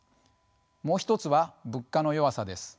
もう一つは物価の弱さです。